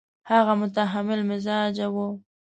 هغه متحمل مزاجه وو.